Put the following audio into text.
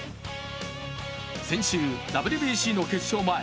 先週、ＷＢＣの決勝前